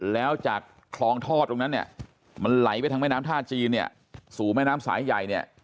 แล้วจากคลองทอดตรงนั้นเนี่ยมันไหลไปทางแม่น้ำท่าจีนเนี่ยสู่แม่น้ำสายใหญ่เนี่ย